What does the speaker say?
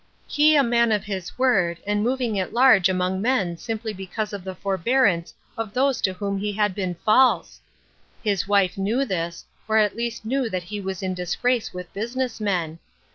He a man of his word, and moving at large among men simply because of the forbearance of those to whom he had been false ! His wife knew this, or at least knew that he was in disgrace with business men.